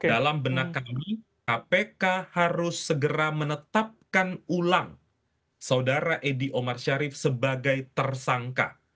dalam benak kami kpk harus segera menetapkan ulang saudara edy omar syarif sebagai tersangka